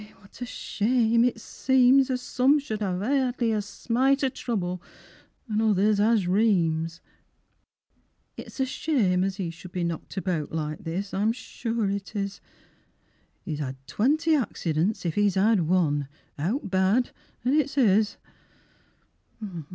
Eh, what a shame it seems As some should ha'e hardly a smite o' trouble An' others has reams. It's a shame as 'e should be knocked about Like this, I'm sure it is! He's had twenty accidents, if he's had one; Owt bad, an' it's his.